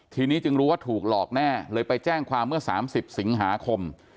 ทีนี้จึงรู้ว่าถูกหลอกแน่เลยไปแจ้งความเมื่อ๓๐สิงหาคม